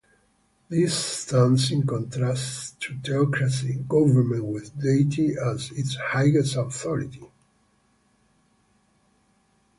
This stands in contrast to theocracy, government with deity as its highest authority.